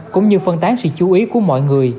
cũng như phân tán sự chú ý của mọi người